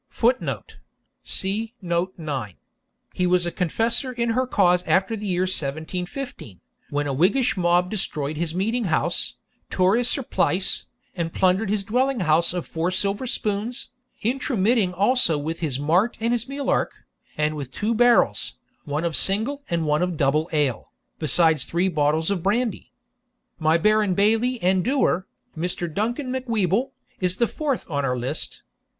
[Footnote: See Note 9.] He was a confessor in her cause after the year 1715, when a Whiggish mob destroyed his meeting house, tore his surplice, and plundered his dwelling house of four silver spoons, intromitting also with his mart and his mealark, and with two barrels, one of single and one of double ale, besides three bottles of brandy. My baron bailie and doer, Mr. Duncan Macwheeble, is the fourth on our list.